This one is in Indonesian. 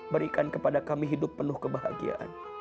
berikan kepada kami hidup penuh kebahagiaan